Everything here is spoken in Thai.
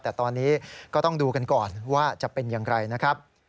แต่ตอนนี้ก็ต้องดูกันก่อนว่าจะเป็นอย่างไรนะครับ